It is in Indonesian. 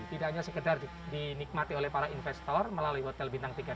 tidak hanya sekedar dinikmati oleh para investor melalui hotel